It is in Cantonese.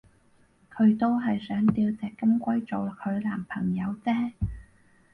佢都係想吊隻金龜做佢男朋友啫